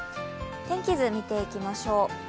天気図見ていきましょう。